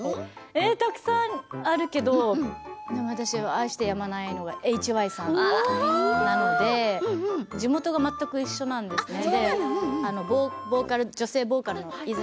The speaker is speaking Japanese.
たくさんあるけど私は愛してやまないのがＨＹさんなので仕事が全く一緒なんですね